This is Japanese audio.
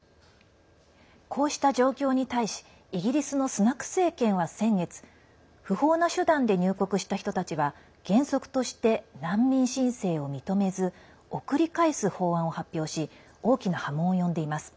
こうした状況に対しイギリスのスナク政権は先月不法な手段で入国した人たちは原則として難民申請を認めず送り返す法案を発表し大きな波紋を呼んでいます。